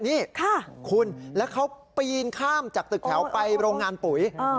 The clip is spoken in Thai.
นี่คุณแล้วเขาปีนข้ามจากตึกแถวไปโรงงานปุ๋ย